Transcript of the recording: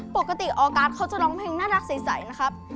ออกัสเขาจะร้องเพลงน่ารักใสนะครับ